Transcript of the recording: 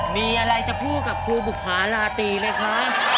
มีอะไรจะพูดกับครูบุภาราตรีไหมคะ